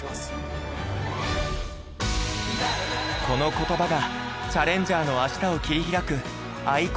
この言葉がチャレンジャーの明日を切り開く愛